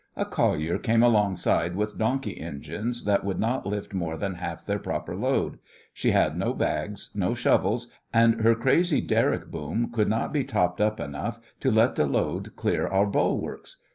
A collier came alongside with donkey engines that would not lift more than half their proper load; she had no bags, no shovels, and her crazy derrick boom could not be topped up enough to let the load clear our bulwarks.